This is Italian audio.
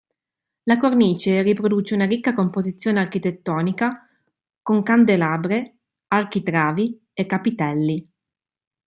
La cornice riproduce una ricca composizione architettonica, con candelabre, architravi e capitelli.